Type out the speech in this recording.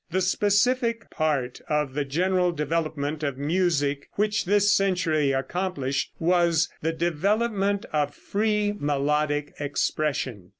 The specific part of the general development of music which this century accomplished was the development of free melodic expression.